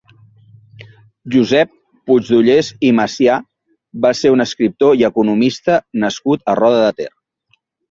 Josep Puigdollers i Macià va ser un escriptor i economista nascut a Roda de Ter.